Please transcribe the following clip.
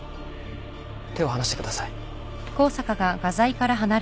手を離してください。